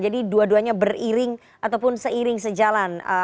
jadi dua duanya beriring ataupun seiring sejalan